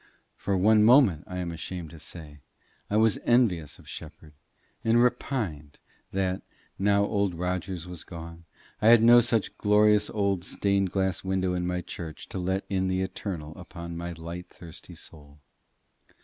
For one moment, I am ashamed to say, I was envious of Shepherd, and repined that, now old Rogers was gone, I had no such glorious old stained glass window in my church to let in the eternal upon my light thirsty soul.